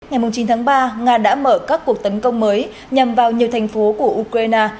ngày chín tháng ba nga đã mở các cuộc tấn công mới nhằm vào nhiều thành phố của ukraine